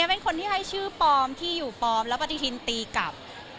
เป็นคนที่ให้ชื่อปลอมที่อยู่ปลอมแล้วปฏิทินตีกลับ